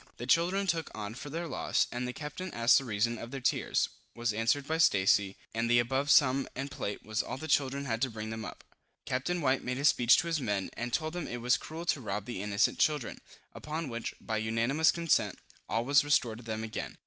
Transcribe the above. The children took on for their loss, and the captain asked the reason of their tears, was answered by Stacy, and the above sum and plate was all the children had to bring them up. Captain White made a speech to his men, and told them it was cruel to rob the innocent children; upon which, by unanimous consent, all was restored to them again.